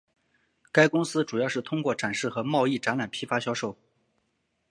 该公司主要是通过展示和贸易展览批发销售。